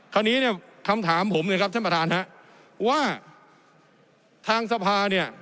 คราวนี้เนี่ยคำถามผมเลยครับท่านประธานฮะว่าทางสภาเนี่ย